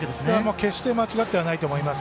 決して間違ってはないと思います。